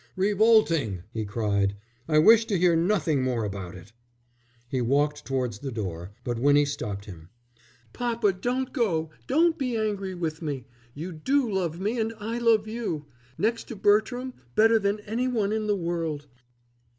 "Revolting!" he cried, "I wish to hear nothing more about it." He walked towards the door, but Winnie stopped him. "Papa, don't go. Don't be angry with me. You do love me; and I love you, next to Bertram, better than any one in the world."